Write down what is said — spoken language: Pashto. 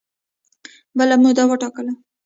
بله موده وټاکله